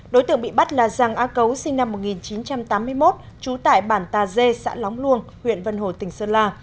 đối tượng bị bắt là giang á cấu sinh năm một nghìn chín trăm tám mươi một trú tại bản tà dê xã lóng luông huyện vân hồ tỉnh sơn la